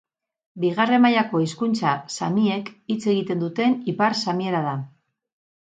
Bigarren mailako hizkuntza samiek hitz egiten duten ipar samiera da.